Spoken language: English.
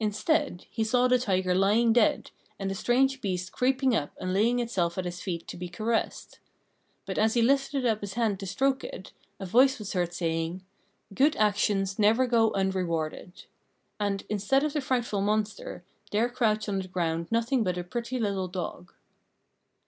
Instead, he saw the tiger lying dead, and the strange beast creeping up and laying itself at his feet to be caressed. But as he lifted up his hand to stroke it, a voice was heard saying, "Good actions never go unrewarded." And, instead of the frightful monster, there crouched on the ground nothing but a pretty little dog.